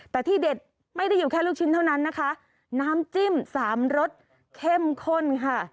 แต่ที่เด็ดไม่ได้อยู่แค่ลูกชิ้นเท่านั้นนะคะน้ำจิ้มสามรสเข้มข้นค่ะ